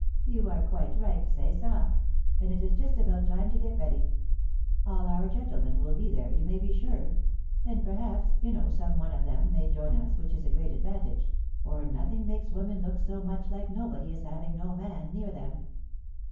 " You are quite right .... say sa, •... and it is just about time to get ready. •.. All our gentlemen will be there, you may be sure ; and perhaps, you know, some one of them may join us, which is a great advantage, .... for nothing makes women look so much like nobody as having no man near them